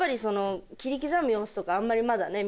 切り刻む様子とかあんまりまだね